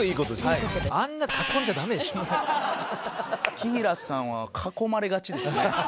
紀平さんは囲まれがちですね。